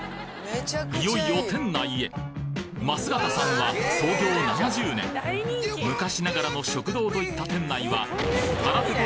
いよいよ店内へ桝形さんは創業７０年昔ながらの食堂といった店内は腹ペコ